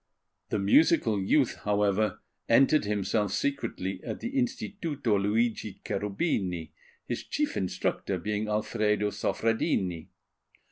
The musical youth, however, entered himself secretly at the Instituto Luigi Cherubini, his chief instructor being Alfredo Soffredini.